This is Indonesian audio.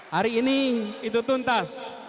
hari ini itu tuntas